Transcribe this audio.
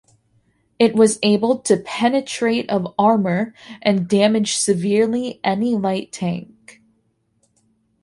It was able to penetrate of armour, and damage severely any light tank.